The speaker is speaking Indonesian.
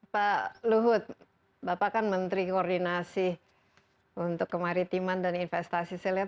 pak luhut bapak kan menteri koordinasi untuk kemaritiman dan investasi saya lihat